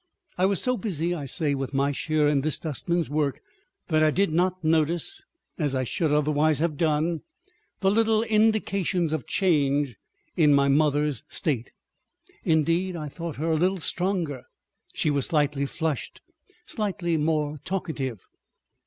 I was so busy, I say, with my share in this dustman's work that I did not notice, as I should otherwise have done, the little indications of change in my mother's state. Indeed, I thought her a little stronger; she was slightly flushed, slightly more talkative.